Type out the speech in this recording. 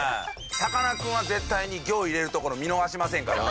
さかなクンは絶対に「ギョ」を入れるところ見逃しませんから。